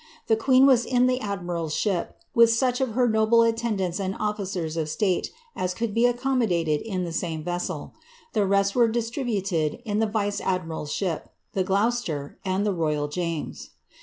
The queen was in the adniirai^s ship, with such of her noble attendants and officers of state ai could be accommodated in the same vessel ; the rest were distributed in the vice admirars ship, the Gloucester, and the Royal James.